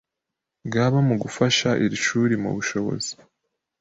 bwaba mu gufasha iri shuri mu bushobozi